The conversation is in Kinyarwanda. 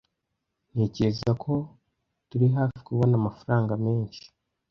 Ntekereza ko turi hafi kubona amafaranga menshi.